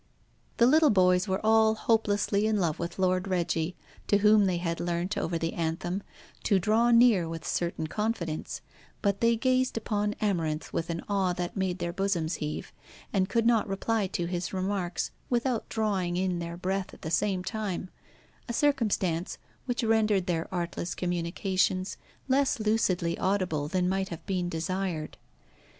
The little boys were all hopelessly in love with Lord Reggie, to whom they had learnt, over the anthem, to draw near with a certain confidence, but they gazed upon Amarinth with an awe that made their bosoms heave, and could not reply to his remarks without drawing in their breath at the same time a circumstance which rendered their artless communications less lucidly audible than might have been desired.